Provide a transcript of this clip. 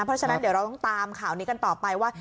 เพราะฉะนั้นเดี๋ยวเราต้องตามข่าวนี้กันต่อไปว่า